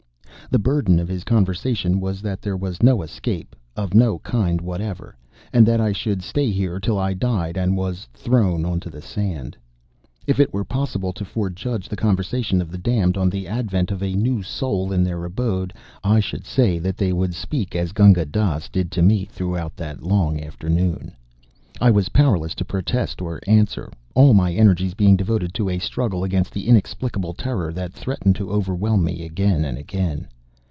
The burden of his conversation was that there was no escape "of no kind whatever," and that I should stay here till I died and was "thrown on to the sand." If it were possible to forejudge the conversation of the Damned on the advent of a new soul in their abode, I should say that they would speak as Gunga Dass did to me throughout that long afternoon. I was powerless to protest or answer; all my energies being devoted to a struggle against the inexplicable terror that threatened to overwhelm me again and again.